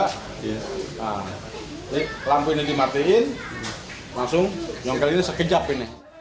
tim biliyor lampu ini dimatikan langsung nyongkel ini sekejap ini